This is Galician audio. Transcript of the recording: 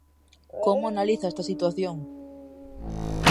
Como analiza esta situación?